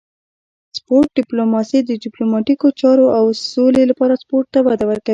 سپورت ډیپلوماسي د ډیپلوماتیکو چارو او سولې لپاره سپورت ته وده ورکوي